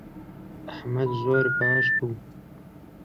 ئەحمەد زۆر باش بوو.